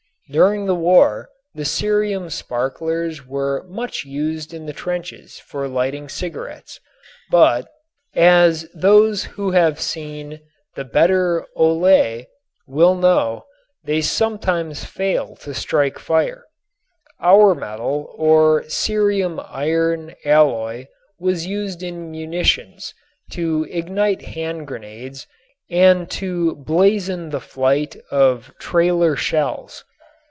During the war the cerium sparklers were much used in the trenches for lighting cigarettes, but as those who have seen "The Better 'Ole" will know they sometimes fail to strike fire. Auer metal or cerium iron alloy was used in munitions to ignite hand grenades and to blazon the flight of trailer shells.